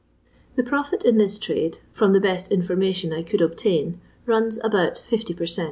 The profit in this trade, from the best informa tion I could obtain, ruus nbout 50 per cent.